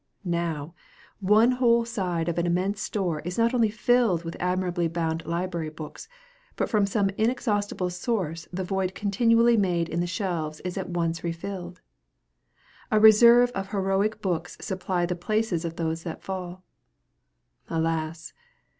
Now, one whole side of an immense store is not only filled with admirably bound library books, but from some inexhaustible source the void continually made in the shelves is at once refilled. A reserve of heroic books supply the places of those that fall. Alas!